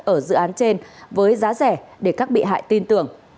ở dự án trên với giá rẻ để các bị hại tin tưởng